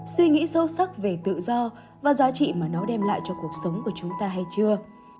suy nghĩ sâu sắc về tự do và giá trị mà nó đem lại cho cuộc sống của chúng ta hay chưa